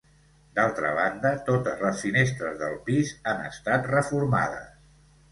D'altra banda, totes les finestres del pis han estat reformades.